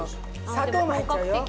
砂糖も入っちゃうよ